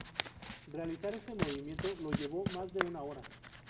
Realizar este movimiento le llevó más de una hora.